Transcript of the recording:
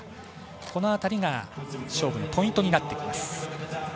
この辺りが勝負のポイントになってきます。